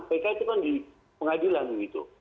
pk itu kan di pengadilan gitu